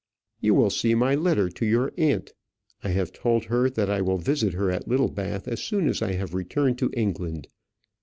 You will see my letter to your aunt. I have told her that I will visit her at Littlebath as soon as I have returned to England.